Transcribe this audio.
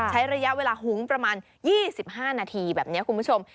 ใช้ระยะเวลาหุ้งประมาณ๒๕นาทีแบบนี้คุณผู้ชม